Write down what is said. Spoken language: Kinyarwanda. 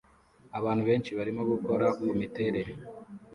Abantu benshi barimo gukora kumiterere